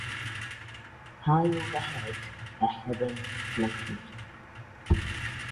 High overhead a heron floated.